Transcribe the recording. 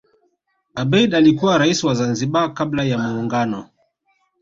abeid alikuwa rais wa zanzibar kabla ya muungano